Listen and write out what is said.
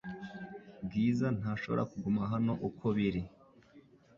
Bwiza ntashobora kuguma hano uko biri